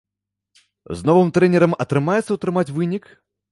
З новым трэнерам атрымаецца ўтрымаць вынік?